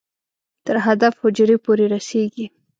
تر هدف حجرې پورې رسېږي.